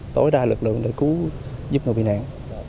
tối đa lực lượng để cứu giúp người bị nạn